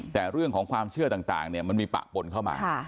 แต่เรื่องของความเชื่อต่างมันมีปะปนเข้ามา